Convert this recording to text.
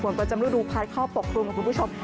กว่าจะมืดดูพายเข้าปกปรุงค่ะคุณผู้ชม